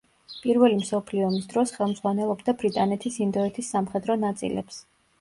პირველი მსოფლიო ომის დროს ხელმძღვანელობდა ბრიტანეთის ინდოეთის სამხედრო ნაწილებს.